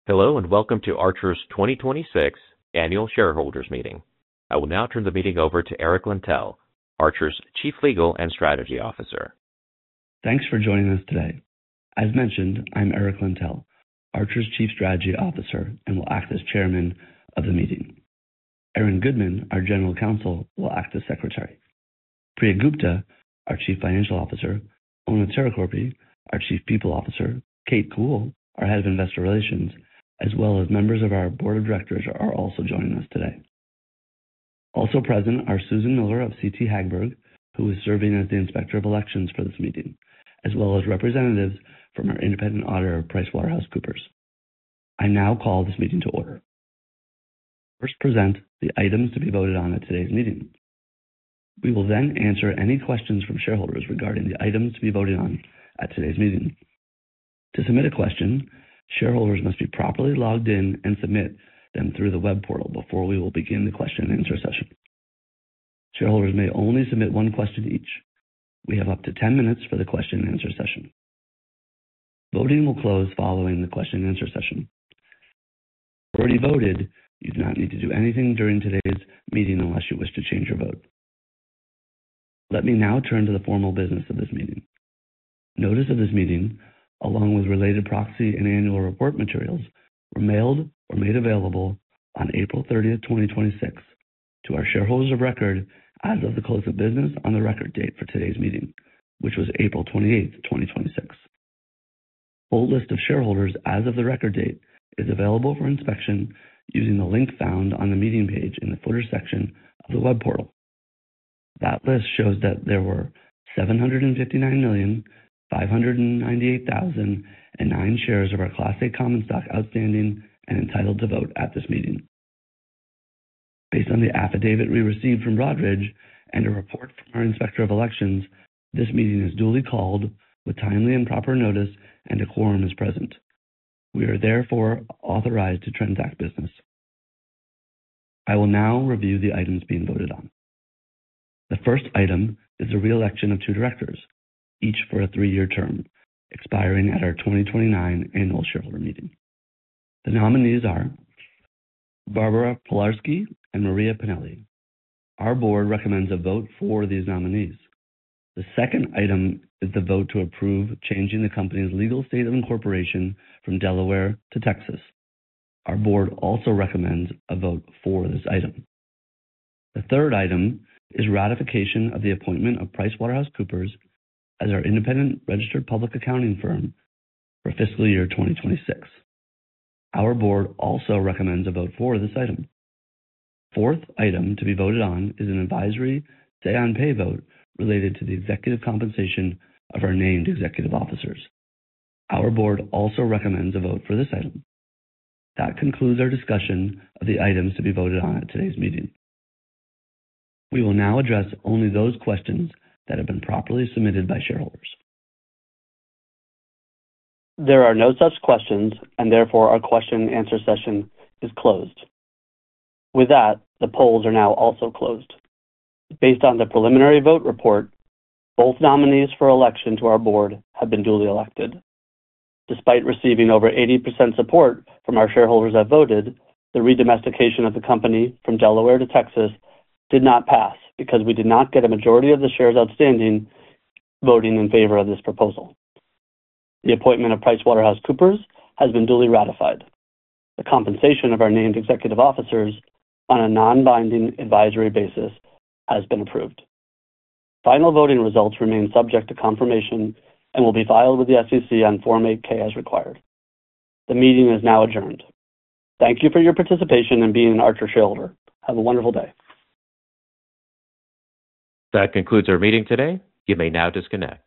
Hello, welcome to Archer's 2026 annual shareholders meeting. I will now turn the meeting over to Eric Lentell, Archer's Chief Legal and Strategy Officer. Thanks for joining us today. As mentioned, I'm Eric Lentell, Archer's Chief Strategy Officer, and will act as Chairman of the meeting. Aaron Goodman, our General Counsel, will act as Secretary. Priya Gupta, our Chief Financial Officer, Ona Teerikorpi, our Chief People Officer, Kate Kiewel, our Head of Investor Relations, as well as members of our Board of Directors are also joining us today. Also present are Susan Miller of CT Hagberg, who is serving as the Inspector of Elections for this meeting, as well as representatives from our independent auditor, PricewaterhouseCoopers. I now call this meeting to order. First present, the items to be voted on at today's meeting. We will answer any questions from shareholders regarding the items to be voted on at today's meeting. To submit a question, shareholders must be properly logged in and submit them through the web portal before we will begin the question and answer session. Shareholders may only submit one question each. We have up to 10 minutes for the question and answer session. Voting will close following the question and answer session. If you already voted, you do not need to do anything during today's meeting unless you wish to change your vote. Let me now turn to the formal business of this meeting. Notice of this meeting, along with related proxy and annual report materials, were mailed or made available on April 30th, 2026 to our shareholders of record as of the close of business on the record date for today's meeting, which was April 28th, 2026. Full list of shareholders as of the record date is available for inspection using the link found on the meeting page in the footer section of the web portal. That list shows that there were 759,598,009 shares of our Class A common stock outstanding and entitled to vote at this meeting. Based on the affidavit we received from Broadridge and a report from our inspector of elections, this meeting is duly called with timely and proper notice and a quorum is present. We are therefore authorized to transact business. I will now review the items being voted on. The first item is the reelection of two directors, each for a three-year term, expiring at our 2029 annual shareholder meeting. The nominees are Barbara Pilarski and Maria Pinelli. Our board recommends a vote for these nominees. The second item is the vote to approve changing the company's legal state of incorporation from Delaware to Texas. Our board also recommends a vote for this item. The third item is ratification of the appointment of PricewaterhouseCoopers as our Independent Registered Public Accounting Firm for fiscal year 2026. Our board also recommends a vote for this item. Fourth item to be voted on is an advisory say on pay vote related to the Executive Compensation of our Named Executive Officers. Our board also recommends a vote for this item. That concludes our discussion of the items to be voted on at today's meeting. We will now address only those questions that have been properly submitted by shareholders. There are no such questions, therefore our question and answer session is closed. With that, the polls are now also closedBased on the preliminary vote report, both nominees for election to our board have been duly elected. Despite receiving over 80% support from our shareholders that voted, the re-domestication of the company from Delaware to Texas did not pass because we did not get a majority of the shares outstanding voting in favor of this proposal. The appointment of PricewaterhouseCoopers has been duly ratified. The compensation of our named executive officers on a non-binding advisory basis has been approved. Final voting results remain subject to confirmation and will be filed with the SEC on Form 8-K as required. The meeting is now adjourned. Thank you for your participation and being an Archer shareholder. Have a wonderful day. That concludes our meeting today. You may now disconnect.